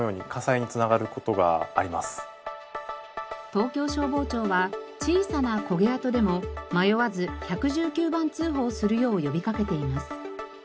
東京消防庁は小さなこげ跡でも迷わず１１９番通報するよう呼び掛けています。